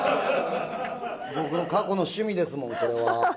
僕の過去の趣味ですもん、これは。